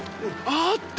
あった！